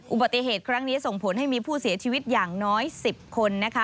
อุบัติเหตุครั้งนี้ส่งผลให้มีผู้เสียชีวิตอย่างน้อย๑๐คนนะคะ